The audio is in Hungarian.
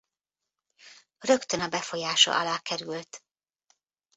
Rögtön a befolyása alá kerül.